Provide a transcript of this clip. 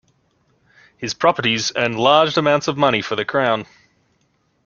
His properties earned large amounts of money for the crown.